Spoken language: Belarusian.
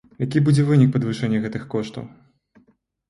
Які будзе вынік падвышэння гэтых коштаў?